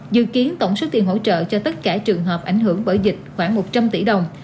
dự kiến tổng số tiền hỗ trợ cho tất cả trường hợp ảnh hưởng bởi dịch khoảng một trăm linh tỷ đồng